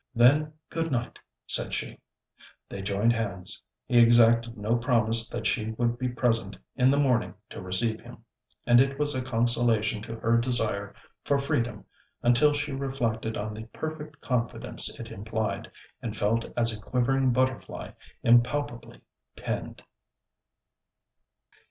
'Then, good night,' said she. They joined hands. He exacted no promise that she would be present in the morning to receive him; and it was a consolation to her desire for freedom, until she reflected on the perfect confidence it implied, and felt as a quivering butterfly impalpably pinned.